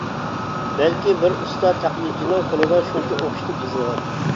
بەلكى بىر ئۇستا تەقلىدچىنىڭ قولىدا شۇنچە ئوخشىتىپ يېزىلغان.